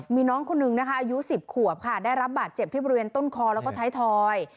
มีน้องคนนึงนะคะอายุ๑๐ขวบค่ะได้รับบาดเจ็บที่บริเวณต้นคอแล้วก็ท้ายทอย